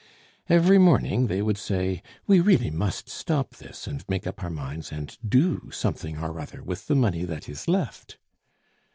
Every morning they would say, "We really must stop this, and make up our minds and do something or other with the money that is left."